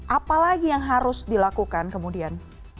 apalagi yang harus dilakukan kemudian